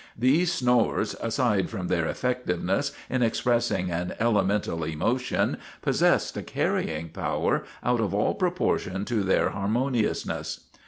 These snores, aside from their effectiveness in expressing an elemental emotion, possessed a carrying power out of all proportion to their harmoniousness.